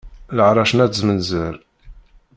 Lɛerc n At zmenzer.